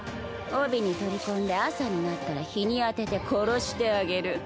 帯に取り込んで朝になったら日に当てて殺してあげる。